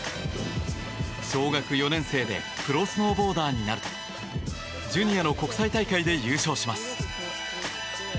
小学４年生でプロスノーボーダーになるとジュニアの国際大会で優勝します。